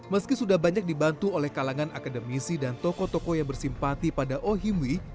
meski sudah banyak dibantu oleh kalangan akademisi dan tokoh tokoh yang bersimpati pada ohimwi